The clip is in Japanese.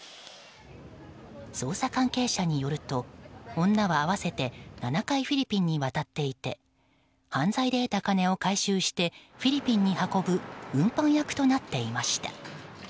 捜査関係者によると女は合わせて７回フィリピンに渡っていて犯罪で得た金を回収してフィリピンに運ぶ運搬役となっていました。